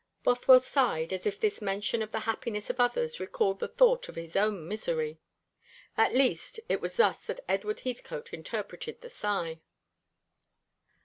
Bothwell sighed, as if this mention of the happiness of others recalled the thought of his own misery. At least, it was thus that Edward Heathcote interpreted the sigh.